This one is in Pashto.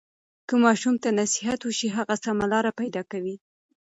که ماشوم ته نصیحت وشي، هغه سمه لاره پیدا کوي.